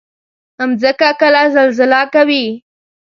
مځکه کله زلزله کوي.